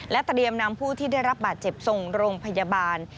เตรียมนำผู้ที่ได้รับบาดเจ็บส่งโรงพยาบาล